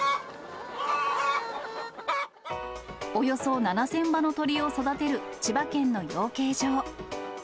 およそ７０００羽の鶏を育てる千葉県の養鶏場。